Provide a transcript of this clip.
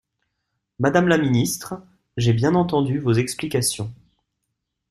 Madame la ministre, j’ai bien entendu vos explications.